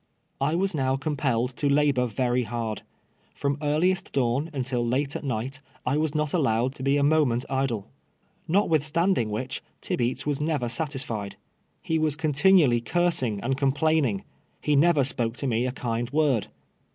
I was now compelled to labor very hard. From earliest dawn until late at night, I was not allowed to be a moment idle. Notwithstanding which, Tibeats was never satisfied. He was continually cursing and complaining. He never spoke to me a kind Avord.